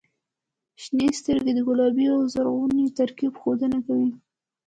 • شنې سترګې د ګلابي او زرغوني ترکیب ښودنه کوي.